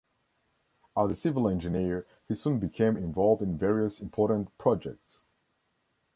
As a civil engineer, he soon became involved in various important projects.